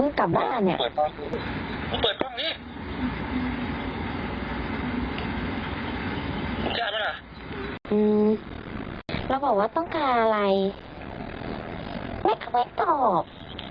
เพิ่งกลับบ้านเนี่ยอืมเราบอกว่าต้องการอะไรไม่ควรตอบ